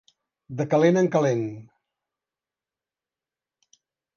De calent en calent.